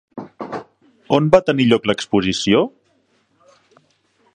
On va tenir lloc l'exposició?